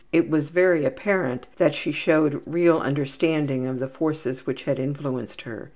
It was very apparent that she showed real understanding of the forces which had influenced her.